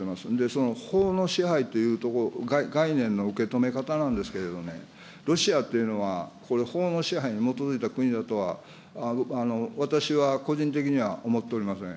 その法の支配という概念の受け止め方なんですけれどね、ロシアっていうのは、これ、法の支配に基づいた国だとは、私は個人的には思っておりません。